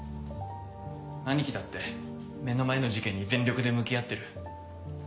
兄貴だって目の前の事件に全力で向き合ってる。